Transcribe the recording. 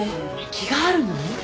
気があるの？